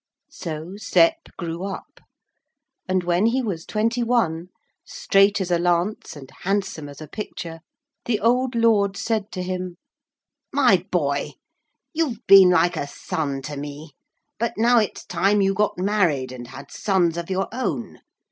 So Sep grew up. And when he was twenty one straight as a lance and handsome as a picture the old lord said to him. 'My boy, you've been like a son to me, but now it's time you got married and had sons of your own.